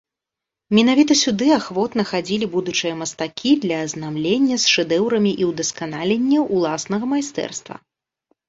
Менавіта сюды ахвотна хадзілі будучыя мастакі для азнаямлення з шэдэўрамі і ўдасканалення ўласнага майстэрства.